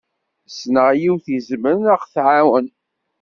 Ssneɣ yiwet i izemren ad ɣ-tɛawen.